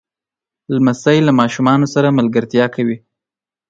لمسی له ماشومانو سره ملګرتیا کوي.